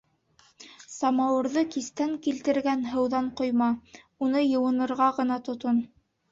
— Самауырҙы кистән килтергән һыуҙан ҡойма, уны йыуынырға ғына тотон...